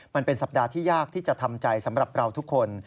มันเป็นสัปดาห์ที่ยากที่จะทำใจสำหรับเราทุกคน